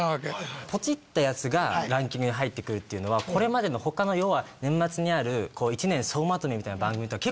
ポチったやつがランキングに入ってくるっていうのはこれまでの他の要は年末にある１年総まとめみたいな番組とは結構違いますよね。